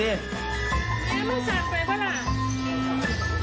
ไม่ไม่สารไปเหรอล่ะ